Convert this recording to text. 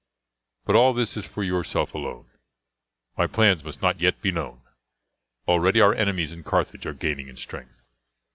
But all this is for yourself alone. "My plans must not yet be known. Already our enemies in Carthage are gaining in strength.